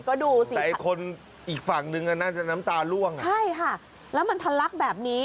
ก็ดูสิครับใช่ค่ะแล้วมันทะลักแบบนี้